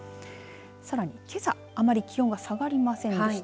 さらに、けさ、あまり気温が下がりませんでした。